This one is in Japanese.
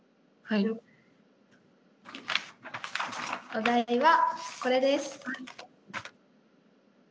お題はこれです。